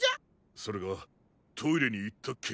それがトイレにいったっきり。